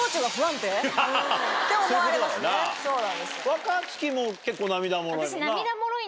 若槻も結構涙もろいもんな。